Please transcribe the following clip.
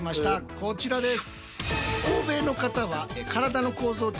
こちらです。